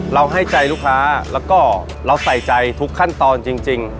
ให้ใจลูกค้าแล้วก็เราใส่ใจทุกขั้นตอนจริง